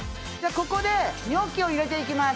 ここでニョッキを入れていきます